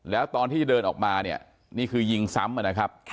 แล้วตอนที่เดินออกมาเนี่ยนี่คือยิงซ้ำนะครับ